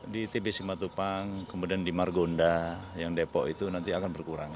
di tbc matupang kemudian di margonda yang depok itu nanti akan berkurang